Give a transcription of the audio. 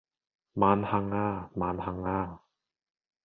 萬幸呀！萬幸呀！